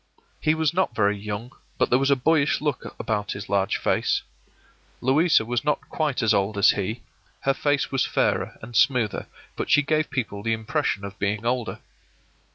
He was not very young, but there was a boyish look about his large face. Louisa was not quite as old as he, her face was fairer and smoother, but she gave people the impression of being older.